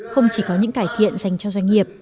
không chỉ có những cải thiện dành cho doanh nghiệp